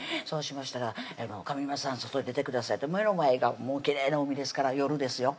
そうしましたら「上沼さん外へ出てください」って目の前がもうきれいな海ですから夜です